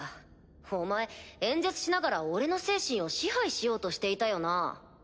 お前演説しながら俺の精神を支配しようとしていたよな？